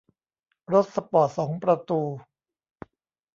รถสปอร์ตสองประตู